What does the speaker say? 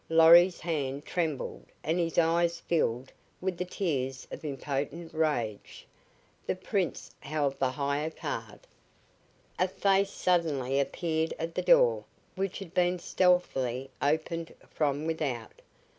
Lorry's hand trembled and his eyes filled with the tears of impotent rage. The Prince held the higher card. A face suddenly appeared at the door, which had been stealthily opened from without.